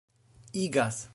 igas